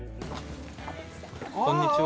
こんにちは。